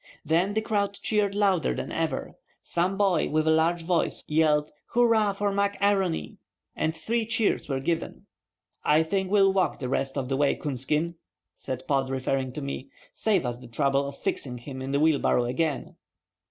Then the crowd cheered louder than ever. Some boy with a large voice yelled, "Hurrah for Mac A'Rony!" and three cheers were given. "I think he'll walk the rest of the way, Coonskin," said Pod, referring to me. "Save us the trouble of fixing him in the wheelbarrow again."